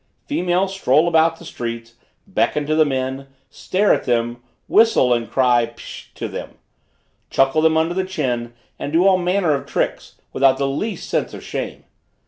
Females stroll about the streets, beckon to the men, stare at them, whistle and cry psh! to them; chuckle them under the chin and do all manner of tricks, without the least sense of shame.